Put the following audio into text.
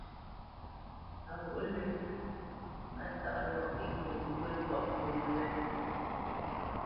A ghǔt lə́ Mátsáʼ lɔ Ekô ŋgyə̌ ntɔ́ʼmbónə̄ wé.